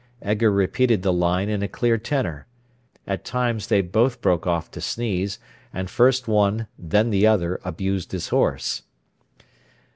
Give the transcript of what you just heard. Edgar repeated the line in a clear tenor. At times they both broke off to sneeze, and first one, then the other, abused his horse.